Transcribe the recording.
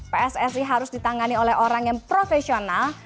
pssi harus ditangani oleh orang yang profesional